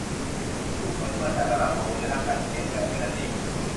ซึ่งเป็นผลมาจากระดับฮอร์โมนในร่างกายที่เปลี่ยนแปลงไปนั่นเอง